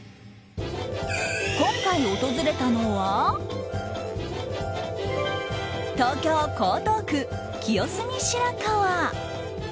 今回訪れたのは東京・江東区清澄白河。